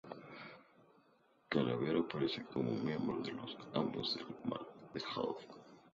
Calavera apareció como miembro de los Amos del Mal de Hood.